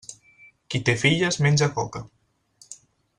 Qui té filles menja coca.